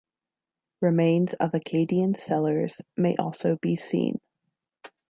Remains of Acadian cellars may also be seen.